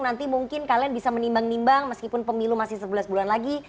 nanti mungkin kalian bisa menimbang nimbang meskipun pemilu masih sebelas bulan lagi